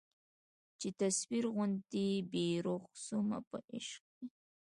چي تصویر غوندي بې روح سومه په عشق کي